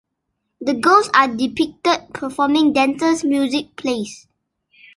The girls are depicted performing dances, music, plays.